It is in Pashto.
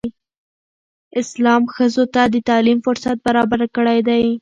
اسلام ښځو ته د تعلیم فرصت برابر کړی دی.